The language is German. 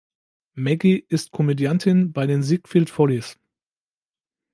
Maggie ist Komödiantin bei den Ziegfeld Follies.